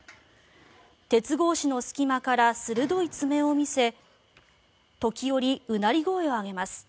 鉄格子の隙間から鋭い爪を見せ時折、うなり声を上げます。